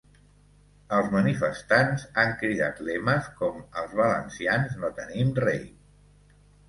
Els manifestants han cridat lemes com ‘Els valencians no tenim rei’.